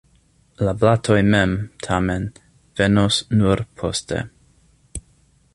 La blatoj mem, tamen, venos nur poste.